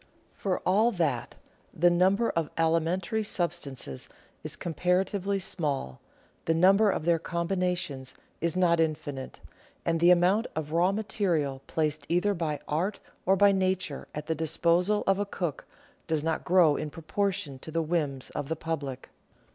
For all that, the number of alimentary substances is com paratively small, the number of their combinations is not infinite, and the amount of raw material placed either by art or by nature at the disposal of a cook does not grow in propor tion to the whims of the public.